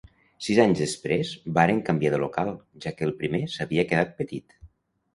Sis anys després varen canviar de local, ja que el primer s'havia quedat petit.